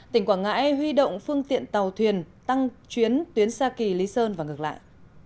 tỉnh quảng ngãi huy động phương tiện tàu thuyền tăng chuyến tuyến sa kỳ lý sơn và ngược lại